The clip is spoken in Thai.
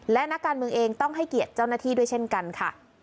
และนักการเมืองเองต้องให้เกียรติเจ้าหน้าที่ด้วยเช่นกันค่ะ